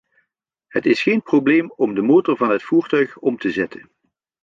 Het is geen probleem om de motor van het voertuig om te zetten.